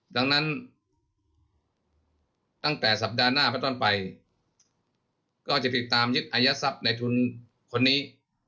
ดังนั้นตั้งแต่สัปดาห์หน้าไปต้นไปก็จะติดตามยึดอายัดทรัพย์ในทุนคนนี้